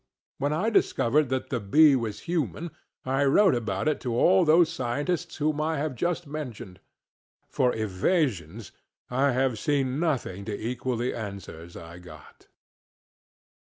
When I discovered that the bee was human I wrote about it to all those scientists whom I have just mentioned. For evasions, I have seen nothing to equal the answers I got.